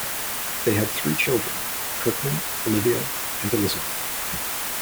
They had three children, Kirkman, Olivia and Elizabeth.